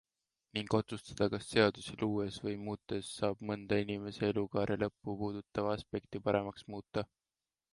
Ning otsustada, kas seadusi luues või muutes saab mõnda inimese elukaare lõppu puudutavat aspekti paremaks muuta.